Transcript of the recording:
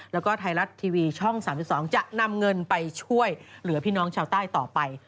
แล้วก็ไทยรัฐทีวีช่อง๓๒จะนำเงินไปช่วยเหลือพี่น้องชาวใต้ต่อไป